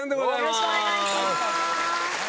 よろしくお願いします。